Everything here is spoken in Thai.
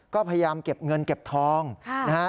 ก็พยายามเก็บเงินเก็บทองนะฮะ